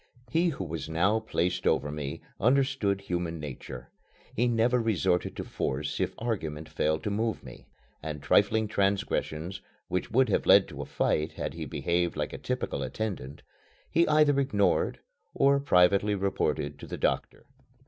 He who was now placed over me understood human nature. He never resorted to force if argument failed to move me; and trifling transgressions, which would have led to a fight had he behaved like a typical attendant, he either ignored or privately reported to the doctor.